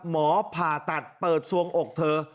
หมอผ่าตัดเปิดสวงอกเธอ